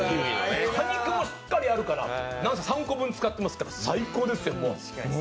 果肉もしっかりあるから、何せ３個分使ってますから、最高ですよ、もう。